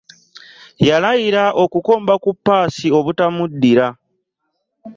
Yalayira okukomba ku ppaasi obutamuddira.